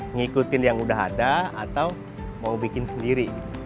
ngikutin yang udah ada atau mau bikin sendiri